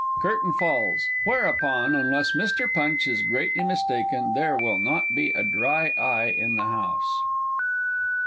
[_Curtain falls, whereupon, unless Mr. Punch is greatly mistaken, there will not be a dry eye in the house.